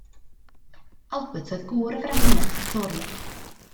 Albert oedd gŵr y frenhines Victoria.